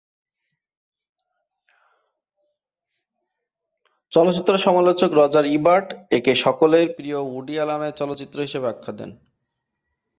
চলচ্চিত্র সমালোচক Roger Ebert একে "সকলের প্রিয় উডি অ্যালেনের চলচ্চিত্র" হিসেবে আখ্যা দেন।